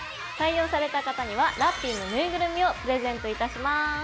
採用された方にはラッピィのぬいぐるみをプレゼントいたします。